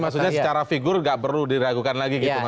jadi maksudnya secara figur tidak perlu diragukan lagi gitu maksudnya